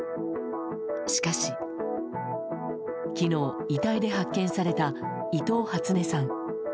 しかし昨日、遺体で発見された伊藤初音さん。